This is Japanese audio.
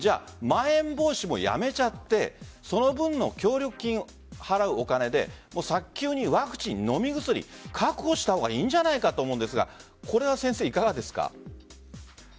まん延防止もやめちゃってその分の協力金を払うお金で早急にワクチン、飲み薬を確保した方がいいんじゃないかと思うんですがこれはいかがですか？